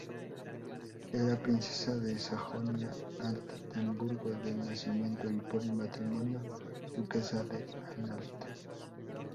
Era princesa de Sajonia-Altenburgo de nacimiento y por matrimonio Duquesa de Anhalt.